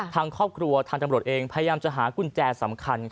ทางครอบครัวทางตำรวจเองพยายามจะหากุญแจสำคัญ